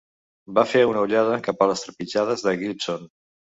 Va fer una ullada cap a les trepitjades de Gibson.